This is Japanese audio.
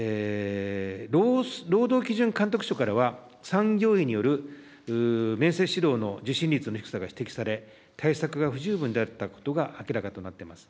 労働基準監督署からは、産業医による面接指導の受診率の低さが指摘され、対策が不十分であったことが明らかとなっています。